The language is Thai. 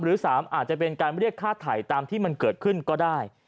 หรือ๓อาจจะเป็นการเรียกค่าไถ่ตามที่มันเกิดขึ้นก็ได้